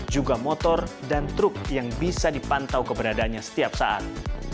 juga motor dan truk yang bisa dipantau keberadaannya setiap saat